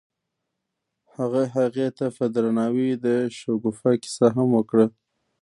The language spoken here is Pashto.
هغه هغې ته په درناوي د شګوفه کیسه هم وکړه.